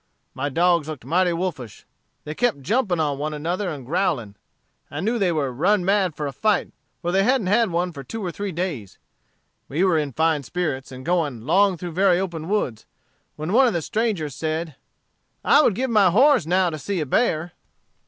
My dogs looked mighty wolfish; they kept jumping on one another and growling. I knew they were run mad for a fight, for they hadn't had one for two or three days. We were in fine spirits, and going 'long through very open woods, when one of the strangers said, 'I would give my horse now to see a bear.'